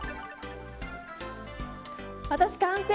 私完成！